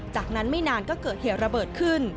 จากนั้นไม่นานก็เกิดเหตุระเบิดขึ้น